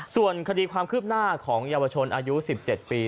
ส่วนคดีความคืบหน้าของเยาวชนอายุ๑๗ปี